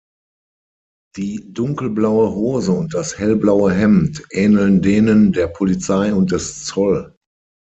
Die dunkelblaue Hose und das hellblaue Hemd ähneln denen der Polizei und des Zoll.